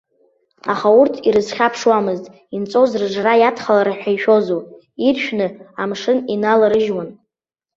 Аха урҭ ирызхьаԥшуамызт, инҵәоз рыжра иадхалар ҳәа ишәозу, иршәны амшын иналарыжьуан.